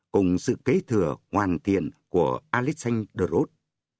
cùng sự kế thừa hoàn thiện của alexandre de roth